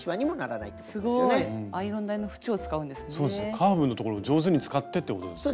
カーブのところを上手に使ってってことですよね。